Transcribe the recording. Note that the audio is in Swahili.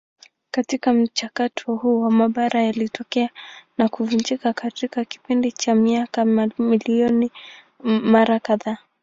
Katika mchakato huo mabara yalitokea na kuvunjika katika kipindi cha miaka mamilioni mara kadhaa.